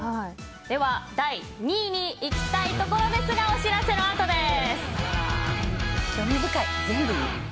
では、第２位にいきたいところですがお知らせのあとです。